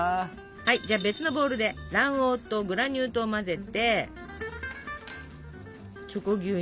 はいじゃあ別のボウルで卵黄とグラニュー糖を混ぜてチョコ牛乳